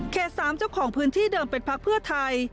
๓เจ้าของพื้นที่เดิมเป็นพักเพื่อไทย